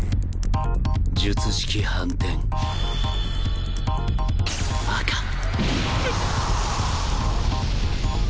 術式反転うっ！